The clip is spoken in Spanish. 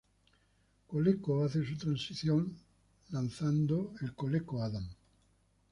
Coleco hace su transición lanzando el Coleco Adam.